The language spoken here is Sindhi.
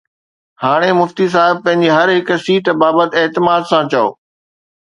هاڻي مفتي صاحب پنهنجي هر هڪ سيٽ بابت اعتماد سان چئو